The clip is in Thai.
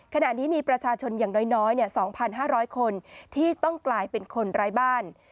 ขณะนี้มีประชาชนอย่างน้อย๒๕๐๐คนที่ต้องกลายเป็นคนไร้บ้าน